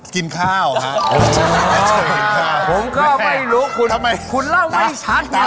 กินข้าวฮะ